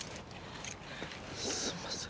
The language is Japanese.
すいません。